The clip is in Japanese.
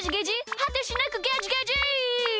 はてしなくゲジゲジ！